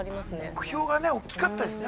◆目標が大きかったですね。